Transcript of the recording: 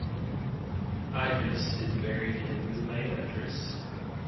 Idris is buried in Moulay Idriss.